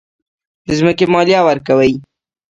د ځمکې مالیه ورکوئ؟